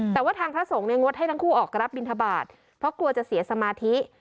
แต่ว่าทางพระสงฆ์เนี่ยงดให้ทั้งคู่ออกรับบินทบาทเพราะกลัวจะเสียสมาธิ